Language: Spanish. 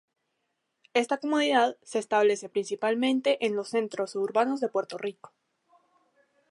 Esta comunidad se establece principalmente en los centros urbanos de Puerto Rico.